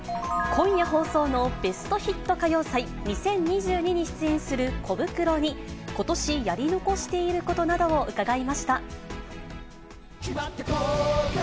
今夜放送のベストヒット歌謡祭２０２２に出演するコブクロに、ことしやり残していることなどを伺いました。